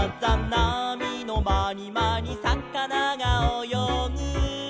「なみのまにまにさかながおよぐ」